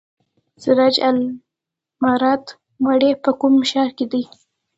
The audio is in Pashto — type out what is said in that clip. سراج العمارت ماڼۍ په کوم ښار کې ده؟